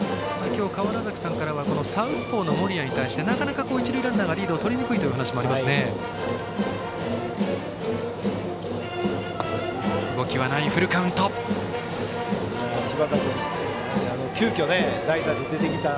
今日、川原崎さんからはサウスポーの森谷に対してなかなか一塁ランナーがリードを取りにくいというお話もありました。